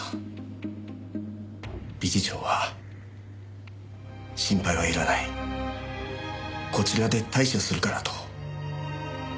理事長は心配は要らないこちらで対処するからと。